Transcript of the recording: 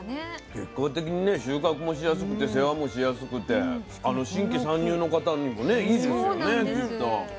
結果的にね収穫もしやすくて世話もしやすくて新規参入の方にもねいいですよねきっと。